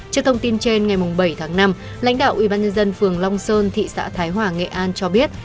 trước thông tin trên ngày bảy tháng năm lãnh đạo ubnd phường long sơn thị xã thái hòa nghệ an cho biết